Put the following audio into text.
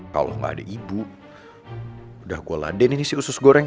kalau gak ada ibu udah gue laden ini sih usus goreng